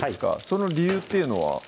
その理由っていうのは？